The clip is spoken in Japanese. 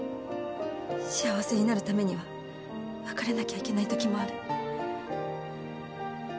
幸せになるためには別れなきゃいけないときもある。